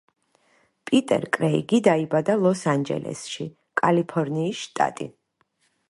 პიტერ კრეიგი დაიბადა ლოს-ანჯელესში, კალიფორნიის შტატი.